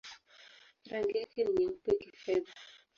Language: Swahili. Rangi yake ni nyeupe-kifedha.